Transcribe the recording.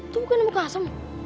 tuh kan mukasem